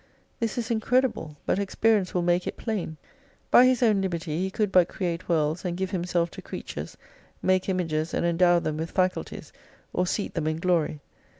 This is incredible, but experience will make it plain. By His own liberty He could but create worlds and give Himself to creatures, make Images and endow them with faculties, or seat them in glory.